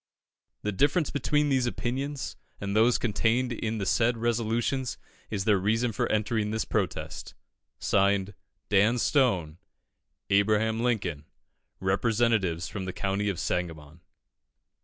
The difference between these opinions and those contained in the said resolutions is their reason for entering this protest. (Signed) DAN STONE. A. LINCOLN. _Representatives from the County of Sangamon.